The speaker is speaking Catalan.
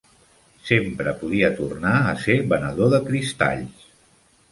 Sempre podia tornar a ser venedor de cristalls.